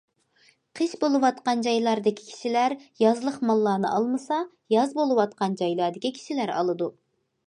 قىش بولۇۋاتقان جايلاردىكى كىشىلەر يازلىق ماللارنى ئالمىسا، ياز بولۇۋاتقان جايلاردىكى كىشىلەر ئالىدۇ.